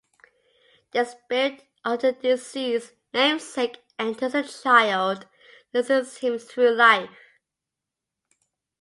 The spirit of the deceased namesake enters the child and assists him through life.